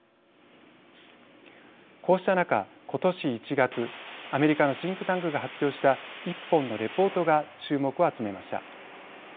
こうした中今年１月アメリカのシンクタンクが発表した１本のレポートが注目を集めました。